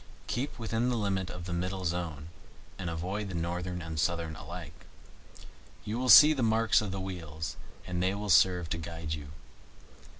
Keep within the limit of the middle zone, and avoid the northern and the southern alike. You will see the marks of the wheels, and they will serve to guide you.